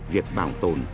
việc bảo tồn